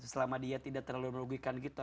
selama dia tidak terlalu merugikan gitu